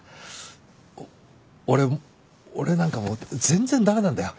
俺なんかもう全然駄目なんだよ。